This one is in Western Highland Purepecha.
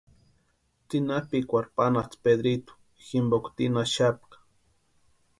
Tsʼinapʼikwarhu panhasti Pedritu jimpoka tinhaxapka.